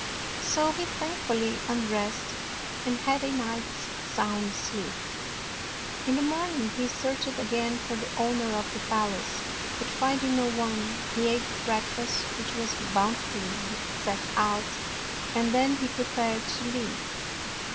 So he thankfully un dressed and had a night's sound sleep. In the morning he searched again for the owner of the palace, but finding no one, he ate the breakfast which was bountifully set out, and then he prepared to leave.